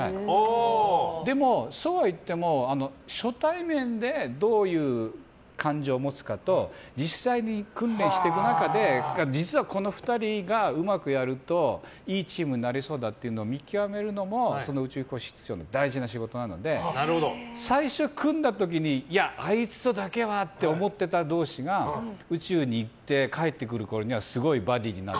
でも、そうは言っても初対面でどういう感情を持つかと実際に訓練していく中で実はこの２人がうまくやると、いいチームになりそうだというのも見極めるのも宇宙飛行士室長の大事な仕事なので最初、組んだ時にあいつとだけはって思ってた同士が宇宙に行って帰ってくるころにはかっけー！